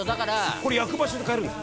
「これ焼く場所で変えるんですか」